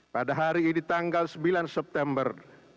pada hari ini tanggal sembilan september dua ribu dua puluh satu